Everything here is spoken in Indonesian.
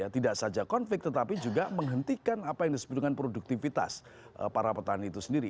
tidak saja konflik tetapi juga menghentikan apa yang disebut dengan produktivitas para petani itu sendiri